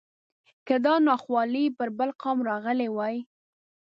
که دا ناخوالې پر بل قوم راغلی وای.